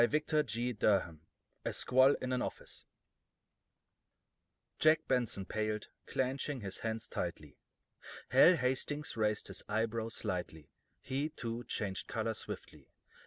CHAPTER IV A SQUALL IN AN OFFICE Jack Benson paled, clenching his hands tightly. Hal Hastings raised his eyebrows slightly; he, too, changed color swiftly.